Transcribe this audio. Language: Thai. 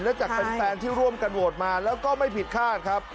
และจากแฟนที่ร่วมกันโหวตมาแล้วก็ไม่ผิดคาดครับ